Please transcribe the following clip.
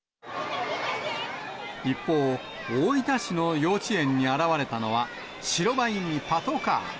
一方、大分市の幼稚園に現れたのは、白バイにパトカー。